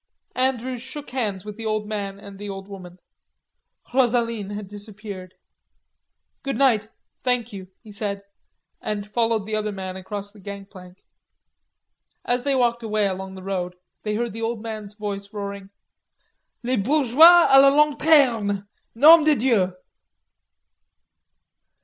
Andrews shook hands with the old man and the old woman. Rosaline had disappeared. "Goodnight...Thank you," he said, and followed the other man across the gangplank. As they walked away along the road they heard the old man's voice roaring: "Les bourgeois a la lanterne, nom de dieu!"